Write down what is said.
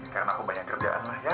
karena aku banyak kerjaan lah ya